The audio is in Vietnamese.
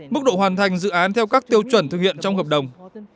mức độ hoàn thành dự án theo các tiêu chuẩn thực hiện trong hợp đồng